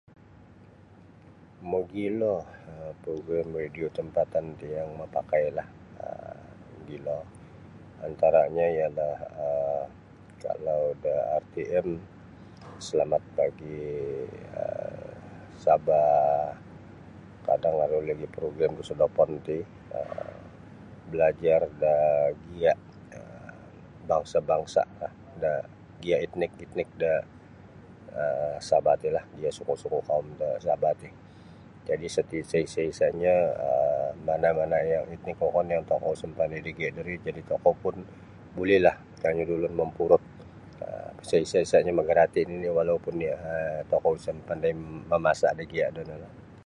Mogilo um progrim radio tampatan ti yang mapakailah um mogilo antaranyo ialah um kalau da RTM Selamat Pagi um Sabah kadang aru lagi progrim da sodopon ti um balajar da giya' um bangsa'-bangsa'lah da giya' etnik-etnik da um Sabah ti lah giya' suku-suku' kaum da Sabah ti jadi' sa isa-isanyo um mana-mana yang etnik wokon yang tokou isa mapandai da giya' do ri jadi' tokou pun bulilah kanyu da ulun mampurut um sa isa-isanyo magarati' nini' walaupun iyo um tokou isa mapandai mamasa' da giya' do no lah.